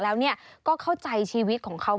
แล้วก็เข้าใจชีวิตของเขา